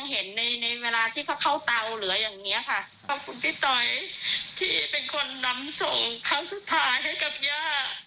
เห็นในในเวลาที่เขาเข้าเตาเหลืออย่างเงี้ยค่ะขอบคุณพี่ตอยที่เป็นคนนำส่งครั้งสุดท้ายให้กับย่า